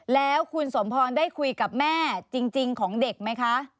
แล้วคุณสมพรได้คุยกับแม่จริงของเด็กไหมคะ